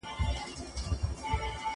نه يې وكړل د آرامي شپي خوبونه